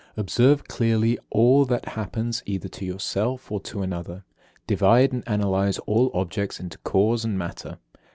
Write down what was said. Observe clearly all that happens either to yourself or to another. Divide and analyse all objects into cause and matter.